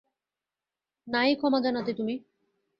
না-ই ক্ষমা জানাতে তুমি।